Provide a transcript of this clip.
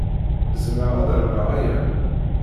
Zemreɣ ad armeɣ aya?